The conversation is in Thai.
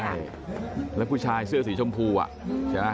ใช่แล้วผู้ชายเสื้อสีชมพูอ่ะใช่ไหม